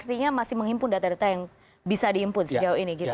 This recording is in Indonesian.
artinya masih menghimpun data data yang bisa dihimpun sejauh ini